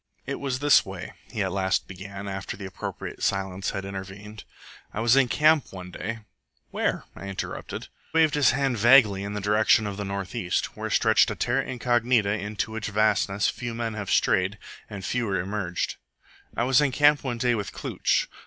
"It was this way," he at last began, after the appropriate silence had intervened. "I was in camp one day " "Where?" I interrupted. He waved his hand vaguely in the direction of the north east, where stretched a TERRA INCOGNITA into which vastness few men have strayed and fewer emerged. "I was in camp one day with Klooch.